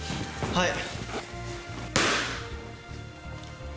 はい。